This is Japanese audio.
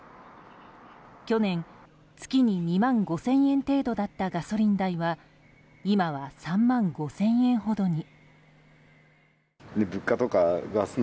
去年、月に２万５０００円程度だったガソリン代は、今は３万５０００円ほどに。